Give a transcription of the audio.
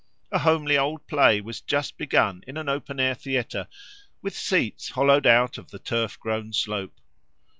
A homely old play was just begun in an open air theatre, with seats hollowed out of the turf grown slope.